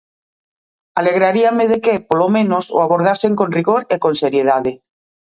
Alegraríame de que, polo menos, o abordasen con rigor e con seriedade.